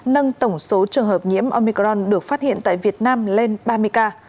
nâng tổng số trường hợp nhiễm omicron được phát hiện tại việt nam lên ba mươi ca